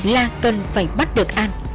là cần phải bắt được an